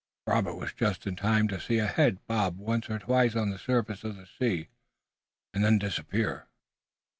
Robert was just in time to see a head bob once or twice on the surface of the sea, and then disappear.